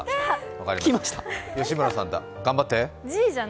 吉村さんだ、頑張って！